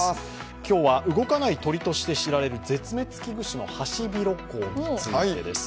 今日は動かない鳥として知られる絶滅危惧種のハシビロコウです。